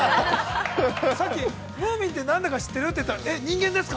さっき、ムーミンって何だか知ってるって、言ったら、えっ、人間ですか？